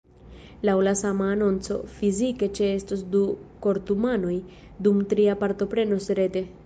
Laŭ la sama anonco, fizike ĉeestos du kortumanoj, dum tria partoprenos rete.